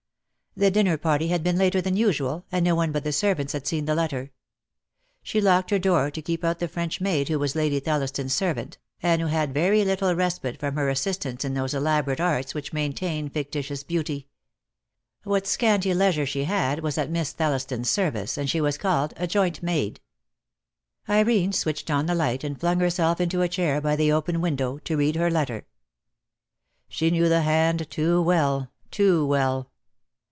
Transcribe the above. The dinner party had been later than usual, and no one but DEAX) LOVE I^S CHAINS. 2ig the servants had seen the letter. She locked her door to keep out the French maid who was Lady Thelliston's servant, and who had very little respite from her assistance in those elaborate arts which maintain fictitious beauty. What scanty leisure she had was at Miss Thelliston's service, and she was called a joint maid. ■•:"..:. Irene switched on the light and flung herself into a chair by the open window to read her letter. She knew the hand, too well, too well.